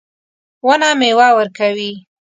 ونه میوه ورکوي